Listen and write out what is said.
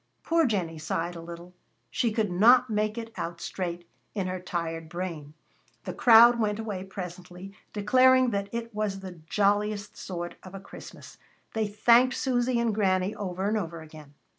Poor Jennie sighed a little. She could not make it out straight in her tired brain. The crowd went away presently, declaring that it was the jolliest sort of a Christmas. They thanked Susy and Granny over and over again.